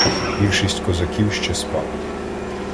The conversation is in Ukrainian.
Більшість козаків ще спали.